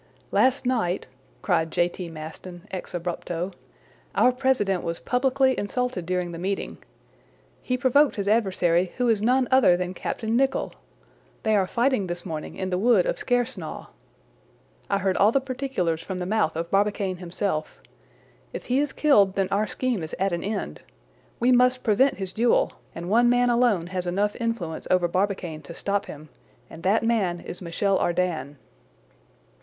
"Last night," cried J. T. Maston, ex abrupto, "our president was publicly insulted during the meeting. He provoked his adversary, who is none other than Captain Nicholl! They are fighting this morning in the wood of Skersnaw. I heard all the particulars from the mouth of Barbicane himself. If he is killed, then our scheme is at an end. We must prevent his duel; and one man alone has enough influence over Barbicane to stop him, and that man is Michel Ardan."